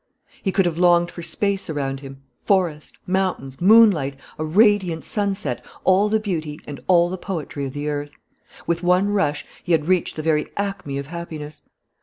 He could have longed for space around him, forest, mountains, moonlight, a radiant sunset, all the beauty and all the poetry of the earth. With one rush, he had reached the very acme of happiness.